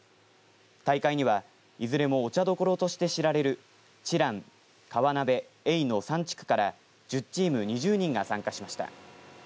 大会にはいずれもお茶どころとして知られる知覧、川辺、穎娃の３地区から１０チーム２０人が参加しました。